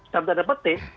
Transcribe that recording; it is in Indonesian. dalam tanda petik